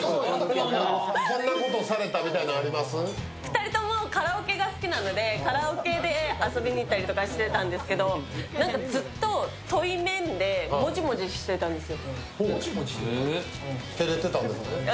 ２人ともカラオケが好きなのでカラオケで遊びに行ったりとかしてたんですけど、ずっと対面でもじもじしてたんです。